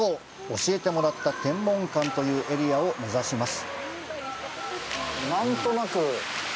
教えてもらった天文館というエリアを目指します！